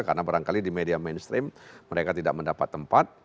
karena barangkali di media mainstream mereka tidak mendapat tempat